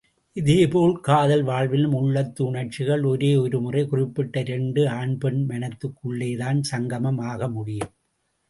இதேபோல் காதல் வாழ்விலும் உள்ளத்து உணர்ச்சிகள் ஒரே ஒருமுறை குறிப்பிட்ட இரண்டு ஆண்பெண் மனங்களுக்குள்ளேதான் சங்கமம் ஆகமுடியும்.